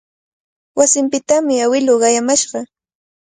Wasinpitami awiluu qayamashqa.